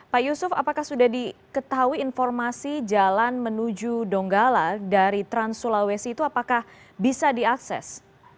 pak yusuf apakah sudah diketahui informasi jalan menuju donggala dari trans sulawesi itu apakah bisa diakses